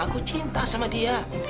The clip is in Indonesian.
aku cinta sama dia